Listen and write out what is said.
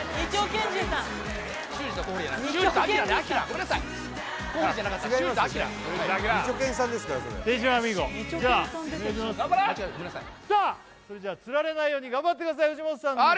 間違えたごめんなさいさあそれじゃつられないように頑張ってください藤本さん